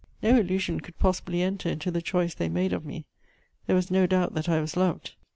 No illusion could possibly enter into the choice they made of me; there was no doubt that I was loved.